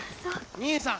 ・兄さん！